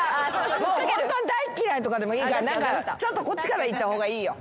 「もうホントに大っ嫌い」とかでもいいからちょっとこっちから言った方がいいよ。